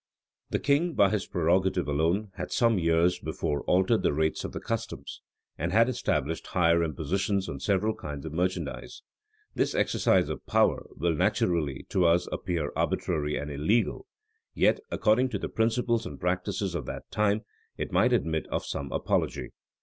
The king, by his prerogative alone, had some years before altered the rates of the customs, and had established higher impositions on several kinds of merchandise. This exercise of power will naturally, to us, appear arbitrary and illegal; yet, according to the principles and practices of that time, it might admit of some apology.